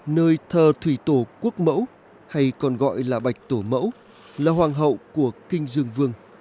nơi thờ thủy tổ quốc mẫu hay còn gọi là bạch tổ mẫu là hoàng hậu của kinh dương vương